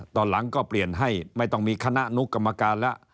ตอนหลังก็เปลี่ยนให้ไม่ต้องมีคณะนุกรรมการแล้ว